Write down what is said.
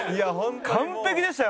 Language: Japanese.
完璧でしたよ。